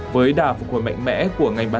với đả phục hồi mạnh mẽ của ngày hôm nay